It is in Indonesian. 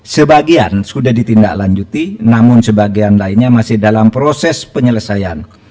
sebagian sudah ditindaklanjuti namun sebagian lainnya masih dalam proses penyelesaian